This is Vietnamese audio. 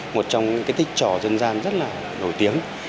một trong những cái tích trò dân gian rất là nổi tiếng